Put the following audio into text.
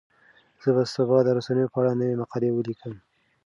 زه به سبا د رسنیو په اړه نوې مقاله ولیکم.